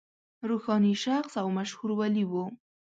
روحاني شخص او مشهور ولي و.